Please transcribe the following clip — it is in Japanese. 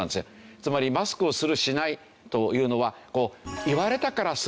つまりマスクをするしないというのは「言われたからする」